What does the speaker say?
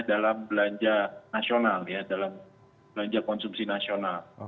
dalam belanja nasional ya dalam belanja konsumsi nasional